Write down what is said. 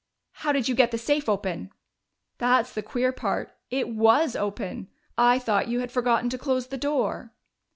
"How did you get the safe open?" "That's the queer part. It was open! I thought you had forgotten to close the door."